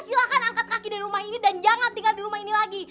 silahkan angkat kaki dari rumah ini dan jangan tinggal di rumah ini lagi